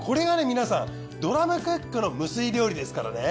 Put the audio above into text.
皆さんドラムクックの無水料理ですからね。